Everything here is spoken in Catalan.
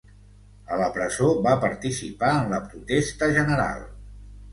A la presó va participar en la protesta general.